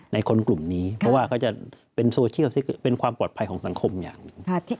ในคนกลุ่มนี้เพราะว่าก็จะเป็นเป็นความปลอดภัยของสังคมอย่างหนึ่ง